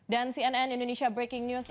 dan cnn indonesia breaking news